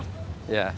ya seluruh jajaran ya